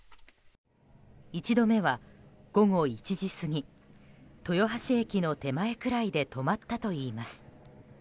１度目は、午後１時過ぎ豊橋駅の手前くらいで止まったといいます。